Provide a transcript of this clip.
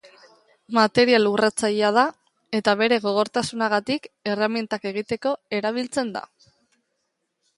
Material urratzailea da eta bere gogortasunagatik erremintak egiteko erabiltzen da.